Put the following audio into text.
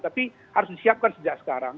tapi harus disiapkan sejak sekarang